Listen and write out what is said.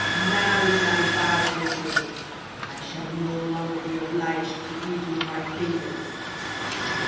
now is my vow fulfilled! I shall no longer be obliged to eat with my fingers!"